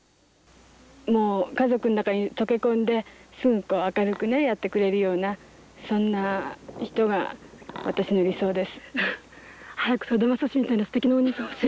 もう家族の中に溶け込んですぐ明るくやってくれるようなそんな人が私の理想です。